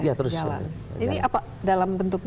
iya terus jalan